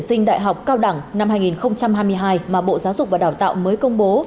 sinh đại học cao đẳng năm hai nghìn hai mươi hai mà bộ giáo dục và đào tạo mới công bố